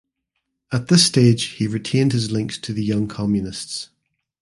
At this stage he retained his links to the Young Communists.